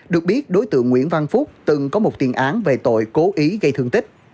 được biết đối tượng nguyễn văn phúc từng có một tiền án về tội cố ý gây thương tích